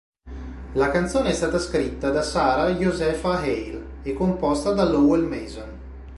La canzone è stata scritta da Sarah Josepha Hale e composta da Lowell Mason.